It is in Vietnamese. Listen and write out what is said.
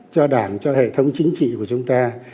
cho đảng cho hệ thống chính trị của chúng ta